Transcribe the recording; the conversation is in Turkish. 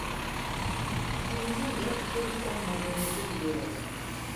İkimizin de çocuk olmadığımızı biliyorum.